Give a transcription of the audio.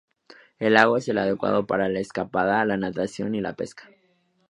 El lago es adecuado para la acampada, la natación y la pesca.